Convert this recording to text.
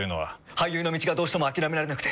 俳優の道がどうしても諦められなくて。